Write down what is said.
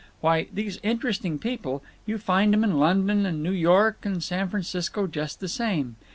"Why, these Interesting People—You find 'em in London and New York and San Francisco just the same.